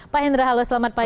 pak hendra halo selamat pagi